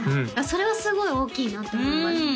それはすごい大きいなって思います